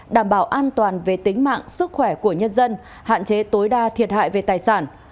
đảm bảo an toàn về tính mạng sức khỏe của nhân dân hạn chế tối đa thiệt hại về tài sản